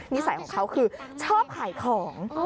นิสัยของเขาคือชอบขายของ